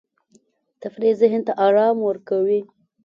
تفریح ذهن ته آرام ورکوي.